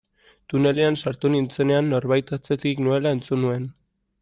Tunelean sartu nintzenean norbait atzetik nuela entzun nuen.